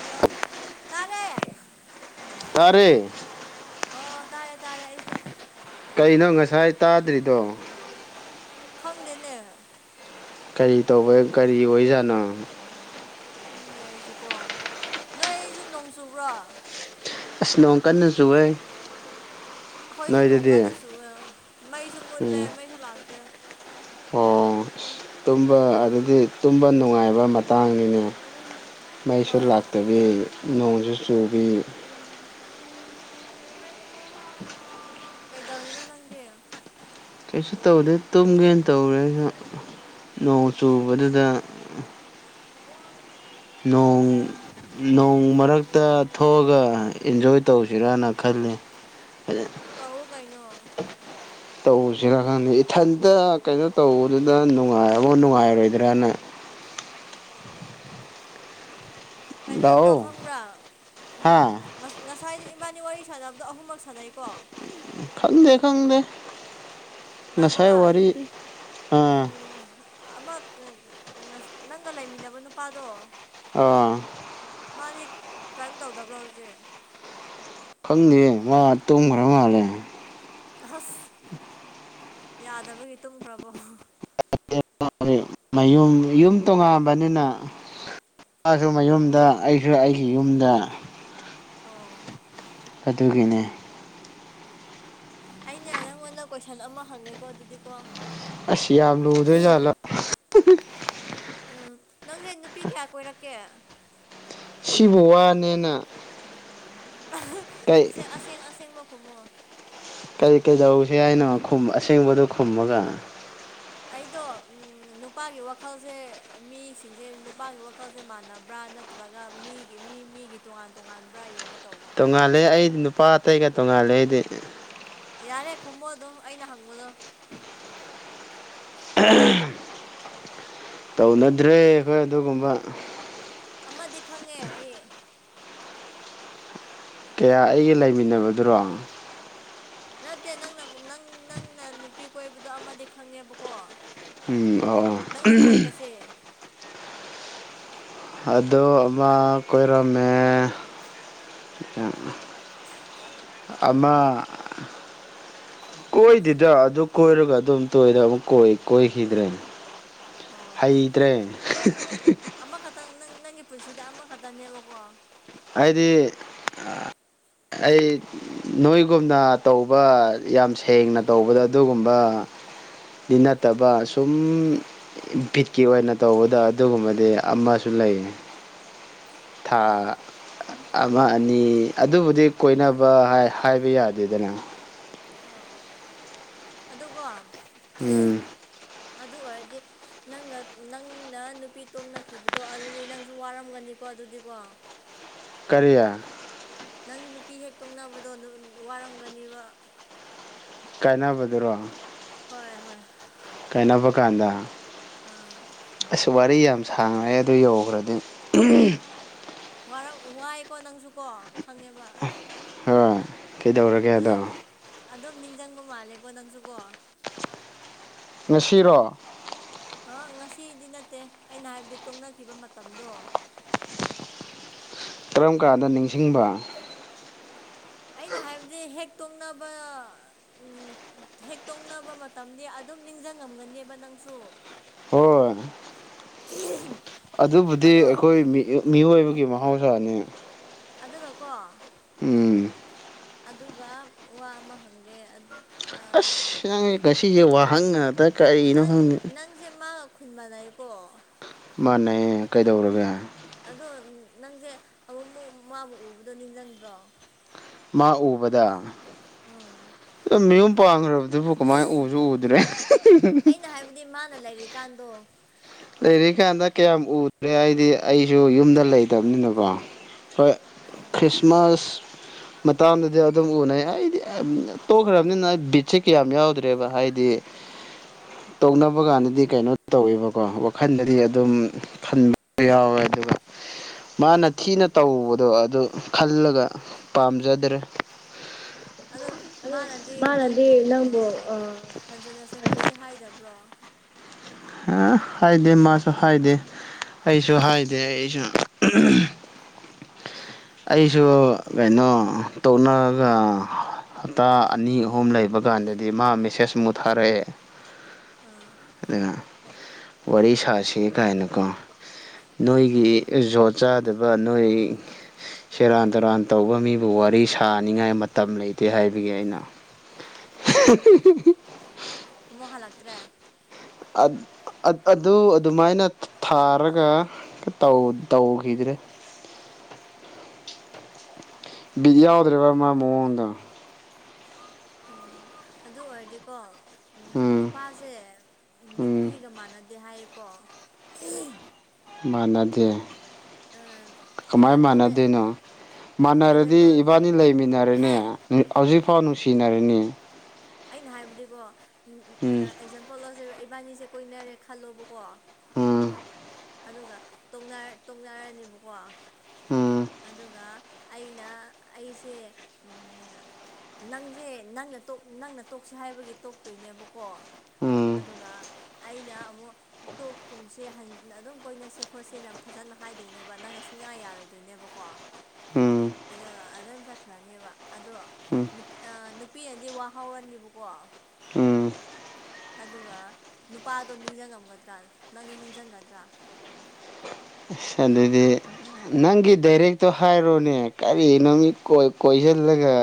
hello ꯇꯥꯔꯦ ꯇꯔꯦ ꯑꯣ ꯇꯥꯔꯦ ꯇꯥꯔꯦ ꯑꯩꯁꯨ ꯀꯩꯅꯣ ꯉꯁꯥꯏ ꯇꯥꯗ꯭ꯔꯤꯗꯣ ꯈꯪꯗꯦꯅꯦ ꯀꯔꯤ ꯇꯧꯕ ꯀꯔꯤ ꯑꯣꯏꯖꯥꯠꯅꯣ ꯈꯪꯗꯦ ꯑꯩꯁꯨ ꯀꯣ ꯅꯣꯏ ꯑꯩꯁꯨ ꯅꯣꯡ ꯆꯨꯕ꯭ꯔꯣ ꯑꯁ ꯂꯣꯡꯀꯔꯅꯖꯣꯏ ꯑꯈꯣꯏꯁꯨ ꯅꯣꯡ ꯀꯟꯅ ꯆꯨꯋꯦ ꯃꯩꯁꯨ ꯃꯨꯠꯂꯦ ꯎꯝ ꯃꯩꯁꯨ ꯂꯥꯛꯇꯦ ꯑꯣ ꯇꯨꯝꯕ ꯑꯗꯨꯗꯤ ꯇꯨꯝꯕ ꯅꯨꯡꯉꯥꯏꯕ ꯃꯇꯥꯡꯅꯤꯅꯦ ꯃꯩꯁꯨ ꯍꯣꯏ ꯂꯥꯛꯇꯕꯤ ꯅꯣꯡꯁꯨ ꯆꯨꯕꯤ ꯀꯩꯗꯧꯔꯤꯅꯣ ꯅꯪꯗꯤ ꯀꯩꯁꯨ ꯇꯧꯗꯦ ꯇꯨꯝꯒꯦꯅ ꯇꯧꯔꯦ ꯅꯣꯡ ꯆꯨꯕꯗꯨꯗ ꯅꯣꯡ ꯎꯝ ꯅꯣꯡ ꯃꯔꯛꯇ ꯊꯣꯛꯑꯒ ꯏꯟꯖꯣꯏ ꯇꯧꯁꯤꯔꯅ ꯈꯜꯂꯤ ꯇꯧꯑꯣ ꯀꯩꯅꯣ ꯇꯧꯁꯤꯔꯥ ꯈꯪꯗꯦ ꯏꯊꯟꯇ ꯀꯩꯅꯣ ꯇꯧꯕꯗꯨꯗ ꯅꯨꯡꯉꯥꯏꯃꯨꯛ ꯅꯨꯡꯉꯥꯏꯔꯣꯏꯗ꯭ꯔꯅ ꯀꯩꯅꯣꯗꯣ ꯂꯥꯛꯑꯣ ꯈꯪꯕ꯭ꯔꯥ ꯎꯝ ꯍꯥ ꯉꯁ ꯉꯁꯥꯏꯗꯣ ꯏꯕꯥꯅꯤ ꯋꯥꯔꯤ ꯁꯥꯟꯅꯕꯗꯣ ꯑꯍꯨꯝꯃꯛ ꯁꯥꯟꯅꯩꯀꯣ ꯈꯪꯗꯦ ꯈꯪꯗꯦ ꯉꯁꯥꯏ ꯉꯥꯏꯈꯣꯕ ꯋꯥꯔꯤ ꯑꯥ ꯎꯝ ꯑꯃ ꯅꯪꯒ ꯂꯩꯃꯤꯟꯅꯕ ꯅꯨꯄꯥꯗꯣ ꯑ ꯃꯥꯗꯤ ꯀꯩꯝ ꯇꯧꯗꯕ꯭ꯔ ꯍꯧꯖꯤꯛ ꯈꯪꯗꯦ ꯃꯥꯇꯣꯡꯈ꯭ꯔ ꯃꯥꯜꯂꯦ ꯑꯁ ꯌꯥꯗꯕꯒꯤ ꯇꯨꯝꯈ꯭ꯔꯕꯣ ꯃꯌꯨꯝ ꯌꯨꯝ ꯇꯣꯉꯥꯟꯕꯅꯤꯅ ꯃꯥꯁꯨ ꯃꯌꯨꯝꯗ ꯑꯩꯁꯨ ꯑꯩꯒꯤ ꯏꯌꯨꯝꯗ ꯑꯣ ꯑꯗꯨꯒꯤꯅꯦ ꯑꯅꯦ ꯅꯪꯉꯣꯟꯗ ꯀꯣꯏꯁꯟ ꯑꯃ ꯍꯪꯉꯦꯀꯣ ꯑꯗꯨꯗꯤꯀꯣ ꯑꯁ ꯌꯥꯝ ꯂꯨꯗꯣꯏꯖꯥꯠꯂꯥ ꯎꯝ ꯅꯪꯁꯦ ꯅꯨꯄꯤ ꯀꯌꯥ ꯀꯣꯏꯔꯛꯀꯦ ꯁꯤꯕꯨ ꯋꯥꯅꯦꯅ ꯀꯩ ꯑꯁ ꯑꯁꯦꯡ ꯑꯁꯦꯡꯕ ꯈꯨꯝꯃꯣ ꯀꯔꯤ ꯀꯔꯤꯗꯧꯁꯤꯦ ꯍꯥꯏꯅꯣ ꯑꯁꯦꯡꯕꯗꯨꯣ ꯈꯨꯝꯃꯒ ꯑꯩꯗꯣ ꯅꯨꯄꯥꯒꯤ ꯋꯥꯈꯜꯁꯦ ꯃꯤꯁꯤꯡꯁꯦ ꯅꯨꯄꯥꯒꯤ ꯋꯥꯈꯜꯁꯦ ꯃꯥꯟꯅꯕ꯭ꯔꯥ ꯅꯠꯇ ꯅꯠꯇ꯭ꯔꯒ ꯃꯤꯒꯤ ꯃꯤ ꯃꯤꯒꯤ ꯇꯣꯉꯥꯟ ꯇꯣꯉꯥꯟꯕ꯭ꯔꯥ ꯌꯦꯡꯒꯦ ꯇꯧꯕ ꯇꯣꯡꯉꯥꯜꯂꯦ ꯑꯩꯗꯤ ꯅꯨꯄꯥ ꯑꯇꯩꯒ ꯇꯣꯡꯉꯥꯜꯂꯦ ꯑꯩꯗꯤ ꯌꯥꯔꯦ ꯈꯨꯝꯃꯣ ꯑꯗꯨꯝ ꯑꯩꯅ ꯍꯪꯕꯗꯣ [unintelligible] ꯇꯧꯅꯗ꯭ꯔꯦ ꯑꯩꯈꯣꯏ ꯑꯗꯨꯒꯨꯝꯕ ꯑꯃꯗꯤ ꯈꯪꯉꯦ ꯑꯩ ꯀꯌꯥ ꯑꯩꯒ ꯂꯩꯃꯤꯟꯅꯕꯗꯨꯔꯣ ꯅꯠꯇꯦ ꯅꯪꯅ ꯅꯪ ꯅꯪꯅ ꯅꯨꯄꯤ ꯀꯣꯏꯕꯗꯣ ꯑꯃꯗꯤ ꯈꯪꯉꯦꯕꯀꯣ ꯎꯝ ꯑꯣ ꯑꯣ ꯅꯪꯅ ꯀꯣꯏꯕꯁꯦ ꯑꯗꯣ ꯑꯃ ꯀꯣꯏꯔꯝꯃꯦ ꯑꯃ ꯀꯣꯏꯗꯦꯗ ꯑꯗꯨ ꯀꯣꯏꯔꯒ ꯑꯗꯨꯝ ꯇꯣꯏꯔ ꯑꯃꯨꯛ ꯀ ꯀꯣꯏꯈꯤꯗ꯭ꯔꯦꯅ ꯑꯣ ꯍꯩꯇ꯭ꯔꯦ ꯑꯃꯈꯛꯇꯪ ꯅꯪ ꯅꯪꯒꯤ ꯄꯨꯟꯁꯤꯗ ꯑꯃꯈꯛꯇꯅꯦꯕꯀꯣ ꯑꯩꯗꯤ ꯑꯩ ꯅꯣꯏꯒꯨꯝꯅ ꯇꯧꯕ ꯌꯥꯝ ꯁꯦꯡꯅ ꯇꯧꯕꯗ ꯑꯗꯨꯒꯨꯝꯕ ꯗꯤ ꯅꯠꯇꯕ ꯑꯁꯨꯝ ꯕꯤꯠꯀꯤ ꯑꯣꯏꯅ ꯇꯧꯕꯗ ꯑꯗꯨꯒꯨꯝꯕꯗꯤ ꯑꯃꯁꯨ ꯂꯩꯌꯦ ꯊꯥ ꯑꯃ ꯑꯅꯤ ꯑꯗꯨꯕꯨꯗꯤ ꯀꯣꯏꯅꯕ ꯍꯥ ꯍꯥꯏꯕ ꯌꯥꯗꯦꯗꯅ ꯑꯗꯨꯒꯣ ꯎꯝ ꯑꯗꯨ ꯑꯣꯏꯔꯗꯤ ꯅꯪꯒ ꯅꯪꯅ ꯅꯨꯄꯤ ꯇꯣꯝꯅꯈꯤꯕꯗꯣ ꯑꯗꯨꯗꯤ ꯅꯪꯁꯨ ꯋꯥꯔꯝꯒꯅꯤꯀꯣ ꯑꯗꯨꯗꯤꯀꯣ ꯀꯔꯤ ꯅꯪꯁꯨ ꯅꯨꯄꯤ ꯍꯦꯛ ꯇꯣꯛꯅꯕꯗꯣ ꯗꯨ ꯋꯥꯔꯝꯒꯅꯤꯕ ꯀꯥꯏꯅꯕꯗꯨꯔꯣ ꯍꯣꯏ ꯍꯣꯏ ꯀꯥꯏꯅꯕ ꯀꯥꯟꯗ ꯑꯥ ꯑꯁ ꯋꯥꯔꯤ ꯌꯥꯝ ꯁꯥꯡꯉꯩ ꯑꯗꯨ ꯌꯧꯈ꯭ꯔꯗꯤ ꯋꯥꯔꯑꯣ ꯋꯥꯏꯀꯣ ꯅꯪꯁꯨꯀꯣ ꯈꯪꯉꯦꯕ ꯍꯣꯏ ꯀꯩꯗꯧꯔꯒꯦ ꯍꯜꯂꯣ ꯑꯗꯣ ꯑꯗꯨꯝ ꯅꯤꯡꯖꯪꯕ ꯃꯥꯜꯂꯦꯀꯣ ꯅꯪꯁꯨꯀꯣ ꯉꯁꯤꯔꯣ ꯑ ꯉꯁꯤꯗꯤ ꯅꯠꯇꯦ ꯑꯩꯅ ꯍꯥꯏꯕꯗꯤ ꯇꯣꯛꯅꯈꯤꯕ ꯃꯇꯝꯗꯣ ꯀꯔꯝ ꯀꯥꯟꯗ ꯅꯤꯡꯁꯤꯡꯕ ꯑꯩꯅ ꯍꯥꯏꯕꯗꯤ ꯍꯦꯛ ꯇꯣꯛꯅꯕ ꯎꯝ ꯍꯦꯛꯇꯣꯛꯅꯕ ꯃꯇꯝꯗꯤ ꯑꯗꯨꯝ ꯅꯤꯡꯁꯤꯡꯉꯝꯒꯅꯦꯕ ꯅꯪꯁꯨ ꯍꯣꯏ [unintelligible] ꯑꯗꯨꯕꯨꯗꯤ ꯑꯗꯣ ꯑꯩꯈꯣꯏ ꯃꯤꯑꯣꯏꯕꯒꯤ ꯃꯍꯧꯁꯥꯅꯤ ꯑꯗꯨꯒꯀꯣ ꯎꯝ ꯑꯗꯨꯒ ꯋꯥ ꯑꯃ ꯍꯪꯒꯦ ꯑꯗꯨ ꯑꯥ ꯑꯁ ꯅꯪ ꯉꯁꯤꯁꯦ ꯋꯥꯍꯪ ꯉꯥꯛꯇ ꯀꯔꯤꯅꯣ ꯈꯪꯗꯦ ꯁꯦ ꯃꯥ ꯈꯨꯟꯕꯅꯥꯏꯀꯣ ꯃꯥꯅꯦꯌꯦ ꯀꯩꯗꯧꯔꯒꯦ ꯑꯗꯣ ꯅꯪꯁꯦ ꯑꯃꯨꯛꯃꯨꯛ ꯃꯥꯕꯨ ꯎꯕꯗ ꯅꯤꯡꯖꯡꯗ꯭ꯔꯣ ꯃꯥ ꯎꯕꯗ ꯎꯝ ꯑ ꯃꯌꯨꯝ ꯄꯥꯟꯈ꯭ꯔꯕꯗꯨꯕꯨ ꯀꯃꯥꯏ ꯎꯁꯨ ꯎꯗ꯭ꯔꯦ ꯑꯩꯅ ꯍꯥꯏꯕꯗꯤ ꯃꯥꯜ ꯂꯩꯔꯦ ꯀꯥꯟꯗ ꯂꯩꯔꯤꯀꯥꯟꯗ ꯀꯌꯥꯝ ꯎꯗ꯭ꯔꯦ ꯍꯥꯏꯗꯤ ꯑꯩꯁꯨ ꯌꯨꯝꯗ ꯂꯩꯇꯕꯅꯤꯅꯀꯣ ꯍꯣꯏ ꯈ꯭ꯔꯤꯁꯃꯥꯁ ꯃꯇꯥꯝꯗꯗꯤ ꯑꯗꯨꯝ ꯎꯅꯩ ꯑꯩꯗꯤ ꯇꯣꯛꯈ꯭ꯔꯕꯅꯤꯅ ꯑꯩ ꯕꯤꯠꯁꯦ ꯀꯌꯥꯝ ꯌꯥꯎꯗ꯭ꯔꯦꯗ ꯍꯥꯏꯗꯤ [unintelligible] ꯇꯧꯅꯕ ꯀꯥꯟꯗꯗꯤ ꯀꯩꯅꯣ ꯇꯧꯋꯦꯕ ꯀꯣ ꯋꯥꯈꯜꯗꯗꯤ ꯑꯗꯨꯝ ꯈꯟꯕ ꯌꯥꯎꯋꯦ ꯑꯗꯨꯒ ꯃꯥꯅ ꯊꯤꯅ ꯇꯧꯕꯗꯣ ꯑꯗꯨ ꯈꯜꯂꯒ ꯄꯥꯝꯖꯗ꯭ꯔꯦ ꯑꯗꯣ ꯃꯥꯅꯗꯤ ꯅꯪꯕꯨ ꯊꯟꯖꯟꯅꯁꯦ ꯈꯣꯠꯁꯦ ꯍꯥꯏꯗꯕ꯭ꯔꯣ ꯍꯥ ꯍꯥꯏꯗꯦ ꯃꯥꯁꯨ ꯍꯥꯏꯗꯦ ꯑꯩꯁꯨ ꯍꯥꯏꯗꯦ ꯑꯩꯁꯨ ꯑꯩꯁꯨ ꯀꯩꯅꯣ ꯇꯧꯛꯅꯔꯒ ꯍꯞꯇꯥ ꯑꯅꯤ ꯑꯍꯨꯝ ꯂꯩꯕ ꯀꯥꯟꯗꯗꯤ ꯃꯥ ꯃꯦꯁꯦꯁꯃꯨꯛ ꯊꯥꯔꯛꯑꯦ ꯑꯥ ꯑꯗꯨ ꯋꯥꯔꯤ ꯁꯥꯁꯤꯒ ꯀꯥꯏꯅꯀꯣ ꯎꯝ ꯅꯣꯏꯒꯤ ꯖꯣꯠ ꯆꯥꯗꯕ ꯅꯣꯏ ꯁꯦꯔꯥꯟ ꯇꯨꯔꯥꯟ ꯇꯧꯕ ꯃꯤꯕꯨ ꯋꯥꯔꯤ ꯁꯥꯅꯤꯡꯉꯥꯏ ꯃꯇꯝ ꯂꯩꯇꯦ ꯍꯥꯏꯕꯒꯤ ꯑꯩꯅ [unintelligible] ꯑꯃꯨꯛ ꯍꯜꯂꯛꯇ꯭ꯔꯦ ꯑꯗꯨ ꯑꯗꯨꯃꯥꯏꯅ ꯊꯥꯔꯒ ꯇꯧ ꯇꯒꯗ꯭ꯔꯦ ꯕꯤꯠ ꯌꯥꯎꯗ꯭ꯔꯤꯕ ꯑꯃ ꯃꯑꯣꯡꯗ ꯑꯗꯨ ꯑꯣꯏꯔꯗꯤꯀꯣ ꯎꯝ ꯅꯨꯄꯥꯁꯦ ꯎꯝ ꯅꯨꯄꯤꯒ ꯃꯥꯟꯅꯗꯦ ꯍꯥꯏꯌꯦꯀꯣ ꯃꯥꯟꯅꯗꯦ ꯀꯃꯥꯏ ꯑꯦꯛꯖꯥꯝꯄꯜꯗ ꯃꯥꯟꯅꯗꯣꯏꯅꯣ ꯃꯥꯟꯅꯔꯗꯤ ꯑꯦꯛꯖꯥꯝꯄꯜ ꯏꯕꯥꯅꯤ ꯂꯩꯃꯤꯟꯅꯔꯦꯅꯦ ꯍꯦ ꯍꯧꯖꯤꯛꯐꯥꯎ ꯅꯨꯡꯁꯤꯅꯔꯅꯤ ꯑꯩꯅ ꯍꯥꯏꯕꯗꯤꯀꯣ ꯎꯝ ꯑꯦꯛꯖꯥꯝꯄꯜ ꯂꯧꯁꯦꯕ ꯏꯕꯥꯅꯤꯁꯦ ꯀꯣꯏꯅꯔꯦ ꯈꯜꯂꯣꯕꯀꯣ ꯎꯝ ꯑꯗꯨꯒ ꯇꯣꯡꯅꯥꯔꯅꯦꯕꯀꯣ ꯎꯝ ꯑꯗꯨꯒ ꯑꯩꯅ ꯑꯩꯁꯦ ꯅꯪꯁꯦ ꯅꯪꯅ ꯅꯪꯅ ꯇꯣꯛꯁꯦ ꯍꯥꯏꯕꯒꯤ ꯇꯣꯛꯇꯣꯏꯅꯦꯕꯀꯣ ꯎꯝ ꯑꯗꯨꯒ ꯑꯩꯅ ꯑꯃꯨꯛ ꯇꯣꯞꯀꯨꯝꯁꯦ ꯑꯗꯨꯝ ꯀꯣꯏꯅꯁꯦ ꯈꯣꯠꯁꯦꯅ ꯐꯖꯅ ꯍꯥꯏꯗꯣꯏꯅꯦꯕ ꯅꯪ ꯁꯨꯡꯌꯥ ꯌꯥꯔꯣꯏ ꯑꯗꯨꯣꯏꯅꯦꯕꯀꯣ ꯎꯝ ꯑꯗꯨꯗ ꯑꯗꯨꯝ ꯆꯠꯈ꯭ꯔꯅꯦꯕ ꯑꯗꯣ ꯎꯝ ꯅꯨꯄꯤ ꯑ ꯅꯨꯄꯤꯅꯗꯤ ꯋꯥꯍꯧꯔꯅꯤꯕꯀꯣ ꯎꯝ ꯑꯗꯨꯒ ꯅꯨꯄꯥꯗꯣ ꯅꯤꯡꯁꯤꯡꯉꯝꯒꯗ꯭ꯔꯥ ꯅꯪꯗꯤ ꯅꯤꯡꯁꯤꯡꯒꯗ꯭ꯔꯥ ꯁ ꯑꯗꯨꯗꯤ ꯅꯪꯒꯤ ꯗꯥꯏꯔꯦꯛꯇꯣ ꯍꯥꯏꯔꯣꯅꯦ ꯀꯔꯤꯅꯣ ꯃꯤꯠ ꯀꯣꯏꯁꯤꯜꯂꯒ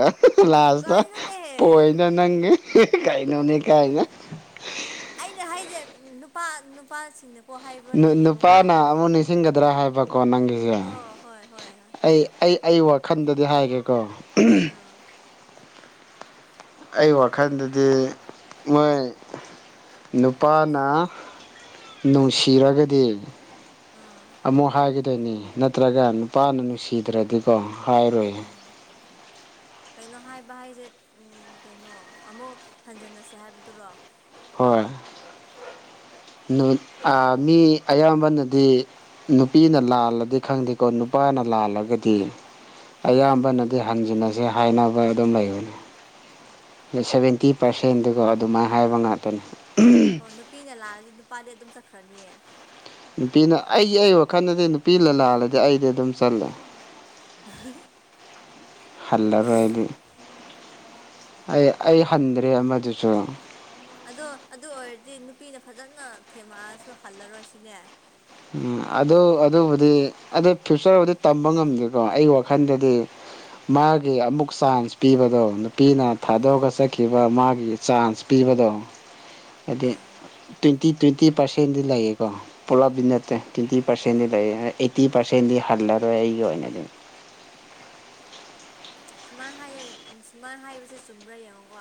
ꯂꯥꯁꯇ ꯀꯩꯅꯣꯅꯦꯍꯦ ꯄꯣꯏꯅ ꯅꯪꯒꯤ ꯀꯩꯅꯣꯅꯦ ꯀꯥꯏꯅ ꯑꯩꯅ ꯍꯥꯏꯁꯦ ꯅꯨꯄꯥ ꯅꯨꯄꯥꯁꯤꯡꯅ ꯅꯨꯄꯥꯅ ꯑꯃꯨꯛ ꯅꯤꯡꯁꯤꯡꯒꯗ꯭ꯔꯥ ꯍꯥꯏꯕꯀꯣ ꯅꯪꯒꯤꯁꯦ ꯍꯣꯏ ꯍꯣꯏ ꯍꯣꯏ ꯍꯣꯏ ꯑꯩ ꯑꯩ ꯑꯩ ꯋꯥꯈꯟꯗꯗꯤ ꯍꯥꯏꯒꯦꯀꯣ ꯑꯥ ꯑꯩ ꯋꯥꯈꯜꯗꯗꯤ ꯃꯣꯏ ꯅꯨꯄꯥꯅ ꯅꯨꯡꯁꯤꯔꯒꯗꯤ ꯑꯥ ꯑꯃꯨꯛ ꯍꯥꯏꯈꯤꯗꯣꯏꯅꯤ ꯅꯠꯇ꯭ꯔꯒ ꯅꯨꯄꯥꯅ ꯅꯨꯡꯁꯤꯗ꯭ꯔꯗꯤꯀꯣ ꯍꯥꯏꯔꯣꯏ ꯎꯝ ꯀꯩꯅꯣ ꯍꯥꯏꯕ ꯍꯥꯏꯁꯦ ꯀꯩꯅꯣ ꯑꯃꯨꯛ ꯍꯟꯖꯟꯅꯁꯦ ꯍꯥꯏꯕꯗꯨꯔꯣ ꯍꯣꯏ ꯅꯨꯠ ꯃꯤ ꯑꯌꯥꯝꯕꯅꯗꯤ ꯅꯨꯄꯤꯅ ꯂꯥꯜꯂꯗꯤ ꯈꯪꯗꯦꯀꯣ ꯅꯨꯄꯥꯅ ꯂꯥꯜꯂꯒꯗꯤ ꯑꯥ ꯑꯌꯥꯝꯕꯅꯗꯤ ꯍꯟꯖꯤꯟꯅꯁꯦ ꯍꯥꯏꯅꯕ ꯑꯗꯨꯝ ꯂꯩꯕꯅꯤ ꯑꯗ ꯁꯚꯦꯟꯇꯤ ꯄꯥꯔꯁꯦꯟꯗꯨꯒ ꯑꯗꯨꯃꯥꯏꯅ ꯍꯥꯏꯕ ꯉꯥꯛꯇꯅꯤ ꯑꯣ ꯅꯨꯄꯤꯅ ꯂꯥꯛꯑꯗꯤ ꯅꯨꯄꯥꯗꯤ ꯑꯗꯨꯝ ꯆꯠꯈ꯭ꯔꯅꯤꯌꯦ ꯅꯨꯄꯤꯅ ꯑꯩꯒꯤ ꯑꯩ ꯋꯥꯈꯜꯗꯗꯤ ꯅꯨꯄꯤ ꯂꯥꯜꯂꯗꯤ ꯑꯩꯗꯤ ꯑꯗꯨꯝ ꯆꯜꯂꯦ [unintelligible] ꯍꯜꯂꯔꯣꯏꯗꯤ ꯑꯩ ꯑꯩ ꯍꯟꯗ꯭ꯔꯦ ꯑꯃꯗꯨꯁꯨ ꯑꯗꯣ ꯑꯗꯨ ꯑꯣꯏꯔꯗꯤ ꯅꯨꯄꯤꯅ ꯐꯖꯅ ꯊꯦꯝꯃꯛꯑꯁꯨ ꯍꯜꯂꯔꯣꯏ ꯁꯤꯅꯦ ꯎꯝ ꯑꯗꯨ ꯑꯗꯨꯕꯨꯗꯤ ꯑꯗꯨ ꯐ꯭ꯌꯨꯆꯔꯕꯨꯗꯤ ꯇꯝꯕ ꯉꯝꯗꯦꯀꯣ ꯑꯩꯒꯤ ꯋꯥꯈꯜꯗꯗꯤ ꯃꯥꯒꯤ ꯑꯃꯨꯛ ꯆꯥꯟꯁ ꯄꯤꯕꯗꯣ ꯅꯨꯄꯤꯅ ꯊꯥꯗꯣꯛꯑꯒ ꯆꯠ ꯀꯈꯤꯕ ꯃꯥꯒꯤ ꯆꯥꯟꯁ ꯄꯤꯕꯗꯣ ꯍꯥꯏꯗꯤ ꯑꯥ ꯇ꯭ꯋꯦꯟꯇꯤ ꯇ꯭ꯋꯦꯟꯇꯤ ꯄꯥꯔꯁꯦꯟꯗꯤ ꯂꯩꯌꯦꯀꯣ ꯄꯨꯂꯞꯕꯤ ꯅ ꯇ꯭ꯋꯦꯟꯇꯤ ꯄꯥꯔꯁꯦꯟꯗꯤ ꯂꯩ ꯑꯩꯠꯇꯤ ꯄꯥꯔꯁꯦꯟꯗꯤ ꯍꯜꯂꯔꯣꯏ ꯑꯩꯒꯤ ꯑꯣꯏꯅꯗꯤ ꯁꯨꯃꯥꯏꯅ ꯍꯥꯏꯌꯦ ꯁꯨꯃꯥꯏꯅ ꯍꯥꯏꯕꯕꯁꯤ ꯆꯨꯝꯕ꯭ꯔꯥ ꯌꯦꯡꯉꯣꯀꯣ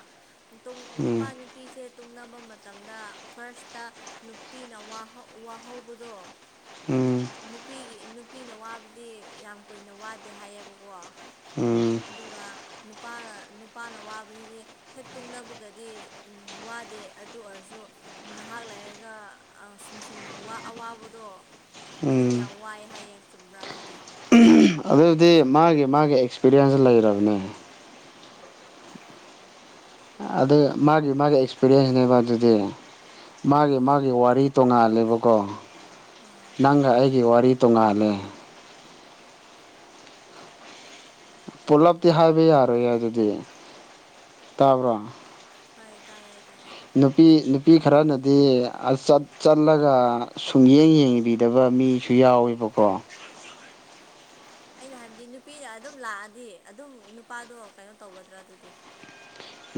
ꯎꯝ ꯅꯨꯄꯥ ꯅꯨ ꯅꯨꯄꯤꯁꯦ ꯇꯨꯡꯅꯕ ꯃꯇꯝꯗ ꯐꯥꯔꯁꯇ ꯅꯨꯄꯤꯅ ꯋꯥꯍꯧꯕꯗꯣ ꯎꯝ ꯅꯨꯄꯤꯒꯤ ꯅꯨꯄꯤꯅ ꯋꯥꯕꯗꯤ ꯌꯥꯝ ꯀꯨꯏꯅ ꯋꯥꯗꯦ ꯍꯥꯏꯌꯦꯕꯀꯣ ꯎꯝ ꯑꯗꯨꯒ ꯅꯨꯄꯥꯅ ꯅꯨꯄꯥꯅ ꯋꯥꯕꯁꯤꯗꯤ ꯍꯦꯛ ꯇꯨꯡꯅꯕꯒꯗꯤ ꯋꯥꯗꯦ ꯑꯗꯨ ꯑꯣꯏꯔꯁꯨ ꯉꯥꯏꯍꯥꯛ ꯂꯩꯔꯒ ꯁꯨꯝ ꯁꯨꯝ ꯑꯋꯥꯕꯗꯣ ꯑꯗꯨ ꯎꯝ ꯌꯥꯝ ꯋꯥꯏꯑꯦ ꯍꯥꯏꯌꯦ ꯆꯨꯝꯕ꯭ꯔꯥ ꯑꯗꯨꯗꯤ ꯑꯗꯨꯗꯤ ꯃꯥꯒꯤ ꯃꯥꯒꯤ ꯑꯦꯛꯁꯄꯤꯔꯤꯌꯦꯟꯁ ꯂꯩꯔꯕꯅꯦ ꯑꯗꯨ ꯃꯥꯒꯤ ꯃꯥꯒꯤ ꯑꯦꯛꯁꯄꯤꯔꯤꯌꯦꯟꯁꯅꯦꯕ ꯑꯗꯨꯗꯤ ꯃꯥꯒꯤ ꯃꯥꯒꯤ ꯋꯥꯔꯤ ꯇꯣꯡꯉꯥꯂꯦꯕꯀꯣ ꯑꯥ ꯅꯪꯒ ꯑꯩꯒꯤ ꯋꯥꯔꯤ ꯇꯣꯡꯉꯥꯜꯂꯦ ꯄꯨꯂꯞꯇꯤ ꯍꯥꯏꯕ ꯌꯥꯔꯣꯏ ꯑꯗꯨꯗꯤ ꯇꯥꯕ꯭ꯔꯣ ꯍꯣꯏ ꯇꯥꯏꯌꯦ ꯇꯥꯏ ꯅꯨꯄꯤ ꯅꯨꯄꯤ ꯈꯔꯅꯗꯤ ꯆꯠ ꯆꯠꯂꯒ ꯁꯨꯡꯌꯦꯡ ꯌꯦꯡꯕꯤꯗꯕ ꯃꯤꯁꯨ ꯌꯥꯎꯋꯦꯕꯀꯣ ꯑꯩꯅ ꯍꯥꯏꯕꯗꯤ ꯅꯨꯄꯤꯅ ꯑꯗꯨꯝ ꯂꯥꯛꯑꯗꯤ ꯑꯗꯨꯝ ꯅꯨꯄꯥꯗꯣ ꯀꯩꯅꯣ ꯇꯧꯒꯗ꯭ꯔꯥ ꯑꯗꯨꯗꯤ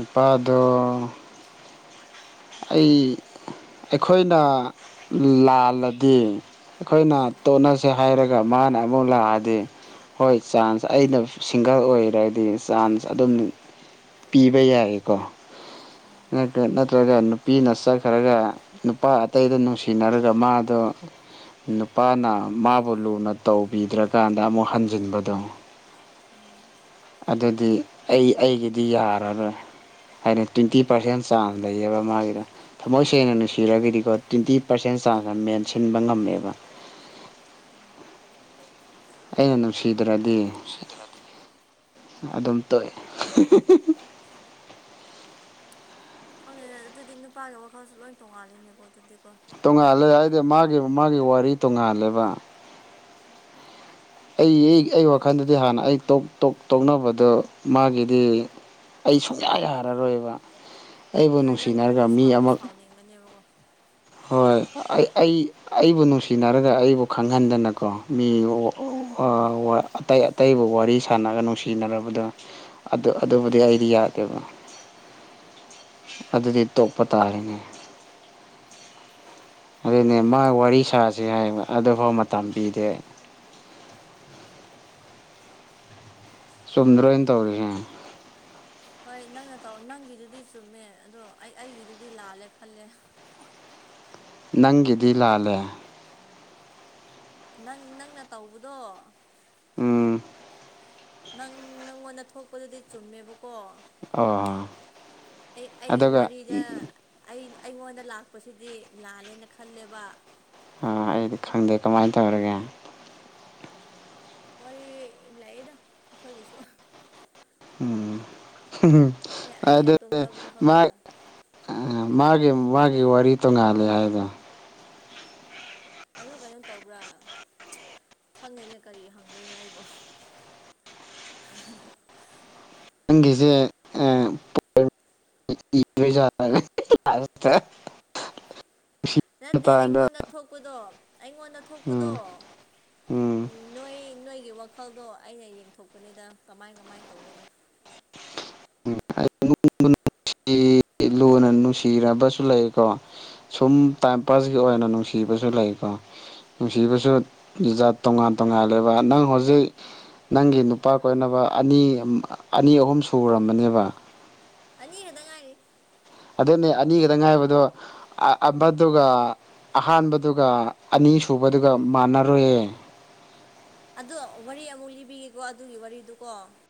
ꯏꯄꯥꯗꯣ ꯑꯩ ꯑꯩꯈꯣꯏꯅ ꯂꯥꯜꯂꯗꯤ ꯑꯩꯈꯣꯏꯅ ꯇꯣꯠꯅꯁꯦ ꯍꯥꯏꯔꯒ ꯃꯥꯅ ꯑꯃꯨꯛ ꯂꯥꯛꯑꯗꯤ ꯍꯣꯏ ꯆꯥꯟꯁ ꯑꯩꯅ ꯁꯤꯡꯒꯜ ꯑꯣꯏꯔꯗꯤ ꯆꯥꯟꯁ ꯑꯗꯨꯝ ꯄꯤꯕ ꯌꯥꯏꯀꯣ ꯅꯠꯇ꯭ꯔꯒ ꯅꯨꯄꯤꯅ ꯆꯠꯈ꯭ꯔꯒ ꯅꯨꯄꯥ ꯑꯇꯩꯗ ꯅꯨꯡꯁꯤꯅꯔꯒ ꯃꯥꯗꯣ ꯅꯨꯄꯥꯅ ꯃꯥꯕꯨ ꯂꯨꯅ ꯇꯧꯕꯤꯗ꯭ꯔꯀꯥꯟꯗ ꯑꯃꯨꯛ ꯍꯟꯖꯤꯟꯕꯗꯣ ꯑꯗꯨꯗꯤ ꯑꯩ ꯑꯩꯒꯤꯗꯤ ꯌꯥꯔꯔꯣꯏ ꯍꯥꯏꯗꯤ ꯇ꯭ꯋꯦꯟꯇꯤ ꯄꯥꯔꯁꯦꯟ ꯆꯥꯡ ꯂꯩꯌꯦꯕ ꯃꯥꯒꯤꯗ ꯊꯃꯣꯏ ꯁꯦꯡꯅ ꯅꯨꯡꯁꯤꯔꯒꯗꯤꯀꯣ ꯇ꯭ꯋꯦꯟꯇꯤ ꯄꯥꯔꯁꯦꯟ ꯆꯥꯖ ꯃꯦꯟꯁꯤꯟꯕ ꯉꯝꯃꯦꯕ ꯑꯩꯅ ꯅꯨꯡꯁꯤꯗ꯭ꯔꯗꯤ ꯎꯁꯤ ꯇꯔꯗꯤ ꯑꯗꯨꯝ ꯇꯣꯛꯑꯦ ꯈꯪꯅꯤ ꯑꯗꯨꯗꯤ ꯅꯨꯄꯥꯒꯤ ꯋꯥꯈꯜꯁꯨ ꯂꯣꯏ ꯇꯣꯡꯉꯥꯜꯂꯤꯅꯦꯀꯣ ꯑꯗꯨꯗꯤꯀꯣ ꯇꯣꯡꯉꯥꯜꯂꯦ ꯍꯥꯏꯗꯤ ꯃꯥꯒꯤ ꯃꯥꯒꯤ ꯋꯥꯔꯤ ꯇꯣꯡꯉꯥꯜꯂꯦꯕ ꯑꯩ ꯑꯩ ꯋꯥꯈꯜꯗꯗꯤ ꯍꯥꯟꯅ ꯑꯩ ꯇꯣꯛ ꯇ ꯇꯣꯛꯅꯕꯗꯣ ꯃꯥꯒꯤꯗꯤ ꯑꯩ ꯁꯨꯡꯌꯥ ꯌꯥꯔꯔꯣꯏꯕ ꯑꯩꯕꯨ ꯅꯍꯣꯏ ꯅꯨꯡꯁꯤꯅꯔꯒ ꯅꯪꯒꯤꯗꯨꯗꯤ ꯃꯤ ꯁꯥꯎꯗꯤ ꯑꯃ ꯁꯥꯎꯅꯤꯡꯒꯅꯦꯕꯀꯣ ꯍꯣꯏ ꯑꯩ ꯑꯩ ꯑꯩꯕꯨ ꯅꯨꯡꯁꯤꯅꯔꯒ ꯑꯩꯕꯨ ꯈꯪꯍꯟꯗꯅꯀꯣ ꯃꯤ ꯑꯇꯩ ꯑꯇꯩꯕꯨ ꯋꯥꯔꯤ ꯁꯥꯟꯅꯒ ꯅꯨꯡꯁꯤꯅꯔꯕꯗꯨ ꯑꯗꯨ ꯑꯗꯨꯕꯨꯗꯤ ꯑꯩꯗꯤ ꯌꯥꯗꯦꯕ ꯑꯗꯨꯗꯤ ꯇꯣꯛꯄ ꯇꯥꯔꯤꯅꯦ ꯑꯗꯨꯅꯦ ꯃꯥ ꯋꯥꯔꯤ ꯁꯥꯁꯤ ꯍꯥꯏꯕ ꯑꯗꯨꯐꯥꯎ ꯃꯇꯝ ꯄꯤꯗꯦ ꯆꯨꯝꯗ꯭ꯔꯣ ꯑꯩ ꯇꯧꯔꯤꯁꯦ ꯍꯣꯏ ꯅꯪꯅ ꯇꯧ ꯅꯪꯒꯤꯗꯨꯗꯤ ꯆꯨꯝꯃꯦ ꯑꯗꯣ ꯑꯩ ꯑꯩꯒꯤꯗꯨꯗꯤ ꯂꯥꯜꯂꯦ ꯈꯜꯂꯦ ꯅꯪꯒꯤꯗꯤ ꯂꯥꯜꯂꯦ ꯅꯪ ꯅꯪꯅ ꯇꯧꯕꯗꯣ ꯎꯝ ꯅꯪ ꯅꯪꯉꯣꯟꯗ ꯊꯣꯛꯄꯗꯨꯗꯤ ꯆꯨꯝꯃꯦꯕꯀ ꯀꯣ ꯑꯣ ꯑꯩ ꯑꯩꯒꯤ ꯑꯗꯨꯒ ꯋꯥꯔꯤꯗ ꯑꯩ ꯑꯩꯉꯣꯟꯗ ꯂꯥꯛꯄꯁꯤꯗꯤ ꯂꯥꯜꯂꯦꯅ ꯈꯜꯂꯦꯕ ꯑꯣ ꯑꯩꯗꯤ ꯈꯪꯗꯦ ꯀꯃꯥꯏꯅ ꯇꯧꯔꯒꯦ ꯋꯥꯔꯤ ꯂꯥꯛꯏꯗ ꯑꯩꯈꯣꯏꯒꯤꯁꯨ ꯎꯝ ꯑꯩ ꯑꯩꯒ ꯑꯗ ꯇꯨꯝꯅꯕꯗꯣ ꯃꯥ ꯈꯪꯕ꯭ꯔꯥ ꯃꯥꯒꯤ ꯃꯥꯒꯤ ꯋꯥꯔꯤ ꯇꯣꯉꯥꯜꯂꯦ ꯍꯥꯏꯗꯣ ꯑ ꯀꯩꯅꯣ ꯇꯧꯕ꯭ꯔꯥ ꯈꯪꯉꯦꯅꯦ ꯀꯔꯤ ꯍꯪꯗꯣꯏꯅꯣ ꯑꯩꯕꯣ [unintelligible] ꯅꯪꯒꯤꯁꯦ [unintelligible] [unintelligible] ꯅꯠꯇꯦ ꯑꯩꯉꯣꯟꯗ ꯊꯣꯛꯄꯗꯣ ꯑꯩꯉꯣꯟꯗ ꯊꯣꯛꯄꯗꯣ ꯎꯝ ꯅꯣꯏ ꯅꯣꯏꯒꯤ ꯋꯥꯈꯜꯗꯣ ꯑꯩꯅ ꯌꯦꯡꯊꯣꯛꯄꯅꯤꯗ ꯀꯃꯥꯏ ꯀꯃꯥꯏꯅ ꯇꯧꯒꯅꯣ [unintelligible] ꯅꯨꯡꯁꯤꯅꯕꯁꯨ ꯂꯩꯀꯣ ꯁꯨꯝ ꯇꯥꯏꯝ ꯄꯥꯁꯀꯤ ꯑꯣꯏꯅ ꯅꯨꯡꯁꯤꯕꯁꯨ ꯂꯩꯀꯣ ꯅꯨꯡꯁꯤꯕꯁꯨ ꯖꯥꯠ ꯇꯣꯉꯥꯟ ꯇꯣꯉꯥꯜꯂꯦꯕ ꯅꯪ ꯍꯧꯖꯤꯛ ꯅꯪꯒꯤ ꯅꯨꯄꯥ ꯀꯣꯏꯅꯕ ꯑꯅꯤ ꯑꯅꯤ ꯑꯍꯨꯝ ꯁꯨꯔꯝꯕꯅꯦꯕ ꯑꯅꯤ ꯈꯛꯇ ꯉꯥꯏꯔꯤ ꯑꯗꯨꯅꯦ ꯑꯅꯤꯒꯗ ꯉꯥꯏꯕꯗꯣ ꯑꯃꯗꯨꯒ ꯑꯍꯥꯟꯕꯗꯨꯒ ꯑꯅꯤꯁꯨꯕꯗꯨꯒ ꯃꯥꯟꯅꯔꯣꯏꯌꯦ ꯑꯗꯣ ꯋꯥꯔꯤ ꯑꯃꯨꯛ ꯂꯤꯕꯤꯒꯦꯀꯣ ꯑꯗꯨꯒꯤ ꯋꯥꯔꯤꯗꯨꯀꯣ